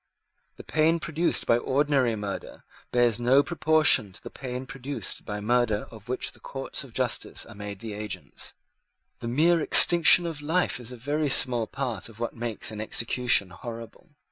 The pain produced by ordinary murder bears no proportion to the pain produced by murder of which the courts of justice are made the agents. The mere extinction of life is a very small part of what makes an execution horrible.